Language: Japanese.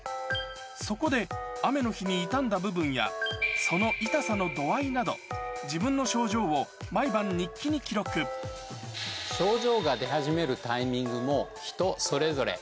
そこで、雨の日に痛んだ部分や、その痛さの度合いなど、症状が出始めるタイミングも人それぞれ。